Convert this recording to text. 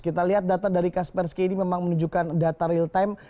kita lihat data dari kaspersky ini memang menunjukkan data real time